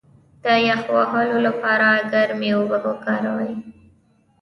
د یخ وهلو لپاره ګرمې اوبه وکاروئ